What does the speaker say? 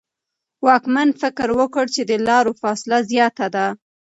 واکمن فکر وکړ چې د لارو فاصله زیاته ده.